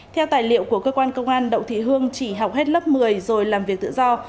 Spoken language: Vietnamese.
theo tài liệu của cơ quan công an đậu thị hương chỉ học hết lớp một mươi rồi làm việc tự do